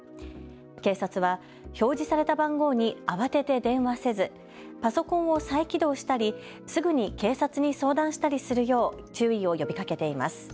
警察は表示された番号に慌てて電話せずパソコンを再起動したりすぐに警察に相談したりするよう注意を呼びかけています。